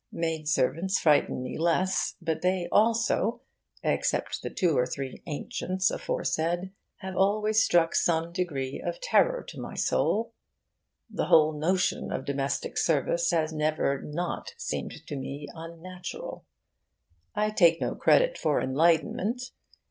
Maidservants frighten me less, but they also except the two or three ancients aforesaid have always struck some degree of terror to my soul. The whole notion of domestic service has never not seemed to me unnatural. I take no credit for enlightenment.